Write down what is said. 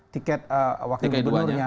tiket wakil gubernurnya